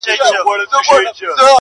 o یار اوسېږمه په ښار نا پرسان کي,